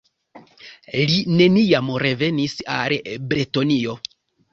Li neniam revenis al Bretonio.